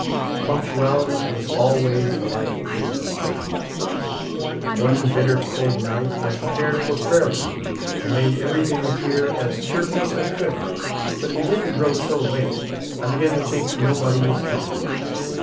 Punctuality was always the life of business with me. One bitter cold night I prepared for prayer meeting, and made everything appear as cheerful as I could, but it be gan to grow so late I began to think nobody was coming.